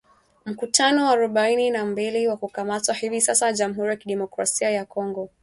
mkutano wa arubaini na mbili wa kukamatwa hivi sasa na Jamhuri ya Kidemokrasi ya Kongo